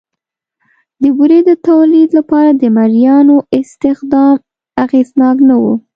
د بورې د تولید لپاره د مریانو استخدام اغېزناک نه و